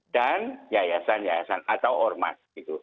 dan yayasan yayasan atau ormas